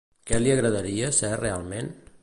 Què li agradaria ser realment?